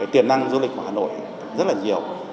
tiềm năng du lịch của hà nội rất là nhiều